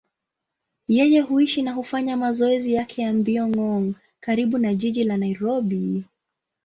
Yeye huishi na hufanya mazoezi yake ya mbio Ngong, karibu na jiji la Nairobi.